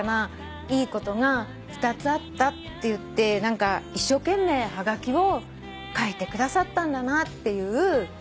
いいことが２つあったっていって一生懸命はがきを書いてくださったんだなっていう。